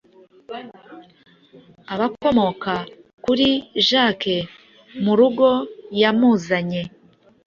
Abakomoka kuri jake murugo yamuzanye